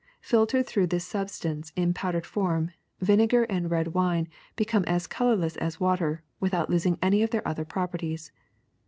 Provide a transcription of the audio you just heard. Filtered through this substance in powdered form, vinegar and red w^ine become as colorless as water, without losing any of their other properties.